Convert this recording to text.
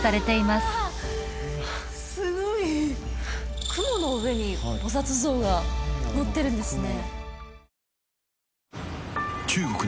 すごい雲の上に菩薩像がのってるんですね